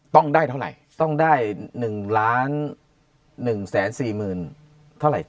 ต้องได้เท่าไหร่ต้องได้๑๑๔๐๐๐เท่าไหร่